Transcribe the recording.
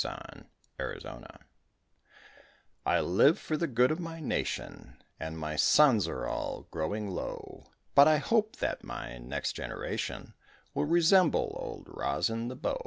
ROSIN THE BOW I live for the good of my nation And my sons are all growing low, But I hope that my next generation Will resemble Old Rosin the Bow.